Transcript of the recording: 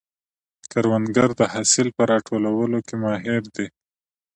کروندګر د حاصل په راټولولو کې ماهر دی